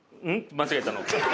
間違えたのう。